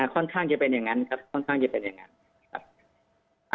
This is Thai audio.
ค่อนข้างจะเป็นอย่างนั้นครับค่อนข้างจะเป็นอย่างนั้นครับ